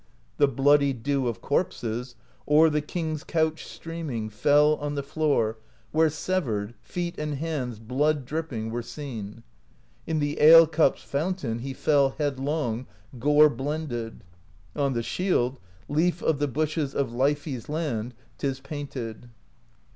l The bloody dew of corpses, | O'er the king's couch streaming, I Fell on the floor where, severed, ^ Feet and hands blood dripping | Were seen; in the ale cups' fountain I He fell headlong, gore blended : ''I On the Shield, Leaf of the Bushes Of Leifi's Land, 't is painted.